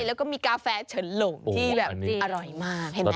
แล้วก็มีกาแฟเฉินหลงที่แบบอร่อยมากเห็นไหม